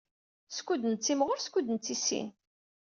Skud nettimɣur skud nettissin.